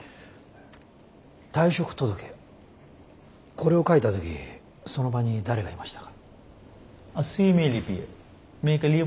これを書いた時その場に誰がいました？